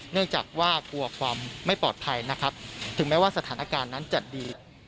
เนื่องจากว่ากลัวความไม่ปลอดภัยนะครับถึงแม้ว่าสถานการณ์นั้นจะดี